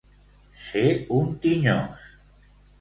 Ser un tinyós.